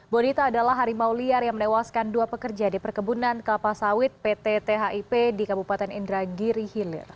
bonita adalah harimau liar yang menewaskan dua pekerja di perkebunan kelapa sawit pt thip di kabupaten indragiri hilir